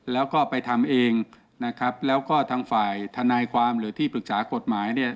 แล้วก็ไปทำเองนะครับแล้วก็ทางฝ่ายทนายความหรือที่ปรึกษากฎหมายเนี่ย